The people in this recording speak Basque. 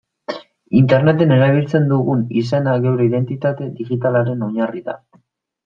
Interneten erabiltzen dugun izena geure identitate digitalaren oinarri da.